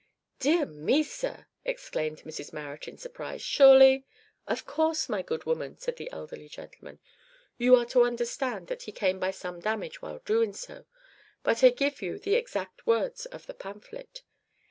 "Dear me, sir!" exclaimed Mrs Marrot in surprise, "surely " "Of course, my good woman," said the elderly gentleman, "you are to understand that he came by some damage while doing so, but I give you the exact words of the pamphlet.